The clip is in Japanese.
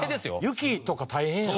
雪とか大変やん。